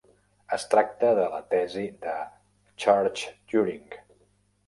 Es tracta de la tesi de Church-Turing.